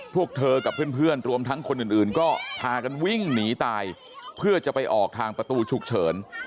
พวกเธอกับเพื่อนรวมทั้งคนอื่นก็พากันวิ่งหนีตายเพื่อจะไปออกทางประตูฉุกเฉิน